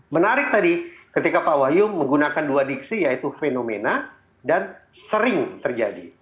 menarik tadi ketika pak wahyu menggunakan dua diksi yaitu fenomena dan sering terjadi